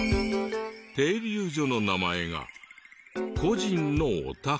停留所の名前が個人のお宅。